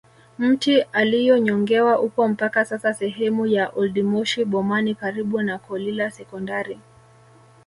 Mti aliyonyongewa upo mpaka sasa sehemu ya oldmoshi bomani karibu na kolila sekondari